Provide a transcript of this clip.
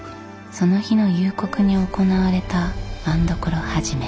その日の夕刻に行われた政所始。